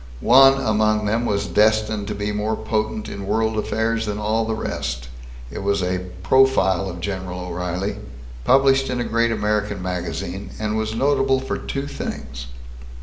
One among them was destined to be more potent in world affairs than all the rest. It was a "profile" of General O'Reilly published in a great American magazine, and it was notable for two things.